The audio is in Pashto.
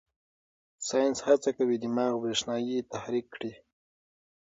ساینس هڅه کوي دماغ برېښنايي تحریک کړي.